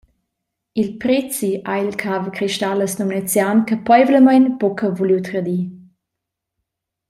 Il prezi ha il cavacristallas lumnezian capeivlamein buca vuliu tradir.